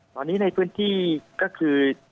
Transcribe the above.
ตอนนี้ในพื้นที่ก็คือ